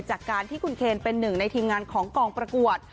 จากการที่คุณเคนเป็นหนึ่งในทีมงานของกองประกวด